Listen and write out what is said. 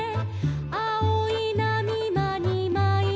「あおいなみまにまいおりた」